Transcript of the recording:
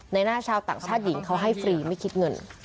หน้าชาวต่างชาติหญิงเขาให้ฟรีไม่คิดเงิน